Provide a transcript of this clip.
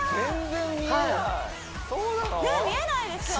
ねえ見えないですよね